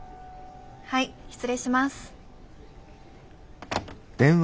はい失礼します。